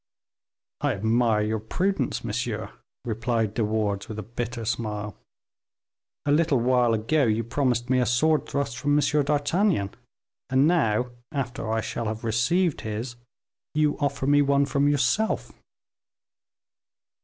"I admire your prudence, monsieur," replied De Wardes with a bitter smile; "a little while ago you promised me a sword thrust from M. d'Artagnan, and now, after I shall have received his, you offer me one from yourself."